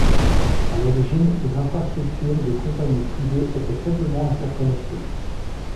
À l'origine, les infrastructures des compagnies privées étaient faiblement interconnectées.